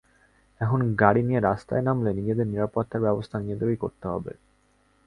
এখন গাড়ি নিয়ে রাস্তায় নামলে নিজেদের নিরাপত্তার ব্যবস্থা নিজেদেরই করতে হবে।